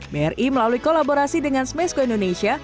bri melalui kolaborasi dengan smesco indonesia